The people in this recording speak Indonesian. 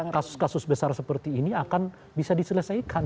kasus kasus besar seperti ini akan bisa diselesaikan